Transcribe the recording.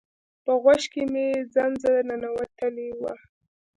په غوږ کی می زنځه ننوتلی وه